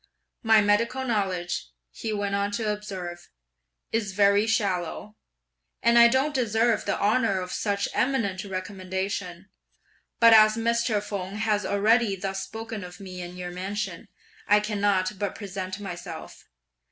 My medical knowledge,' he went on to observe, 'is very shallow, and I don't deserve the honour of such eminent recommendation; but as Mr. Feng has already thus spoken of me in your mansion, I can't but present myself.